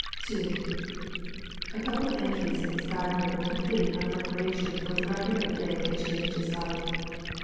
II A couple of entries in his diary will complete our preparation for the record of the day that changed his life.